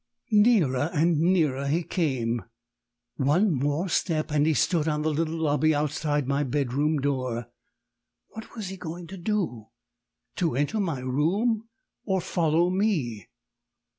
Nearer and nearer he came! One more step, and he stood on the little lobby outside my bedroom door. What was he going to do to enter my room or follow me?